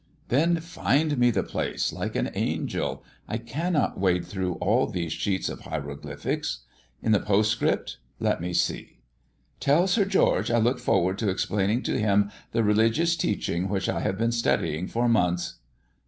"Then find me the place, like an angel; I cannot wade through all these sheets of hieroglyphics. In the postscript? Let me see: 'Tell Sir George I look forward to explaining to him the religious teaching which I have been studying for months.'